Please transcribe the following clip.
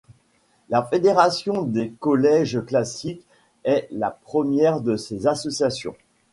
La Fédération des collèges classiques est la première de ces associations.